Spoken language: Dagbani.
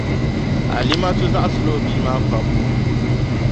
Alimatu zaɣisila o bia maa kpabibu.